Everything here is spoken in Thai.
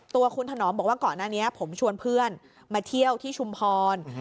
ตัวคุณถนอมบอกว่าก่อนหน้านี้ผมชวนเพื่อนมาเที่ยวที่ชุมพร